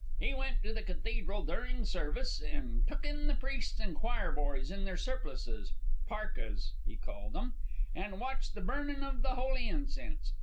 He went to the cathedral durin' service, an' took in the priests and choir boys in their surplices, parkas, he called 'em, an' watched the burnin' of the holy incense.